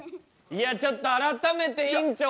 いやちょっと改めて院長